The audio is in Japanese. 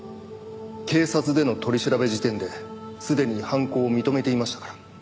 警察での取り調べ時点ですでに犯行を認めていましたから。